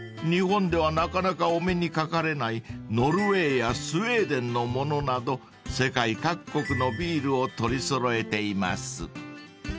日本ではなかなかお目にかかれないノルウェーやスウェーデンのものなど世界各国のビールを取り揃えています］